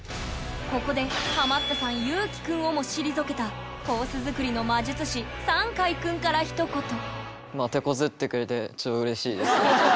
ここでハマったさんゆうきくんをも退けたコース作りの魔術師さんかいくんからひと言だよね。